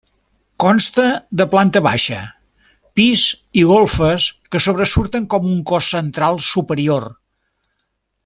Consta de planta baixa, pis i golfes que sobresurten com un cos central superior.